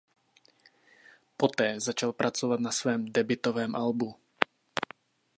Poté začal pracovat na svém debutovém albu.